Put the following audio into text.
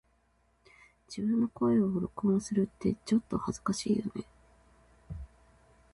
自分の声を録音するってちょっと恥ずかしいよね🫣